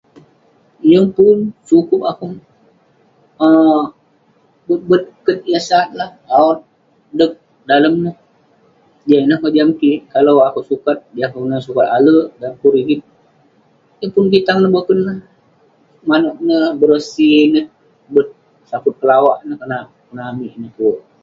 Yeng pun, sukup [unintelligible] um bet bet ket yah sat lah, awot, deg dalem neh. Jah ineh kojam kik. Kalau akouk sukat ; jah kelunan sukat ale'erk, dan pun rigit, yeng pun [unintelligible] boken lah. Manouk neh berosi neh, bet saput kelawak neh [unintelligible] Ineh tue.